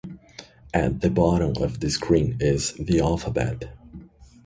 At the bottom of the screen is the alphabet.